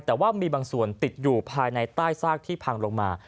แต่ว่ามีบางส่วนติดอยู่ภายในใต้ซากที่พังลงมา